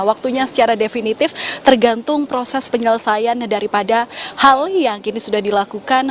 waktunya secara definitif tergantung proses penyelesaian daripada hal yang kini sudah dilakukan